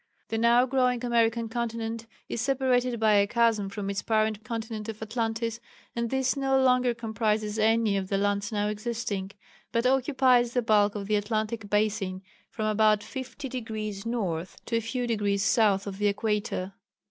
The now growing American continent is separated by a chasm from its parent continent of Atlantis, and this no longer comprises any of the lands now existing, but occupies the bulk of the Atlantic basin from about 50° north to a few degrees south of the equator.